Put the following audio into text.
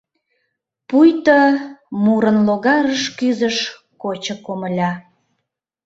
Пуйто мурын логарыш кӱзыш кочо комыля.